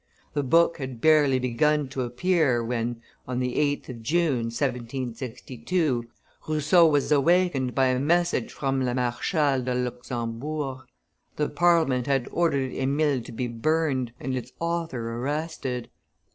The book had barely begun to appear, when, on the 8th of June, 1762, Rousseau was awakened by a message from la Marchale de Luxembourg: the Parliament had ordered Emile to be burned, and its author arrested.